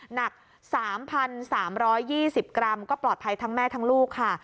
หนัก๓๓๒๐กรัมก็ปลอดภัยทั้งแม่ทั้งลูกค่ะ